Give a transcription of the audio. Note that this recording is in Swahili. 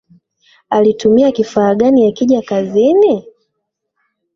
Alitumia kifaa gani akija kazini?